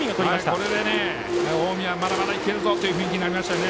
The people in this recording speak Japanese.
これで近江はまだまだいけるぞという雰囲気になりましたね。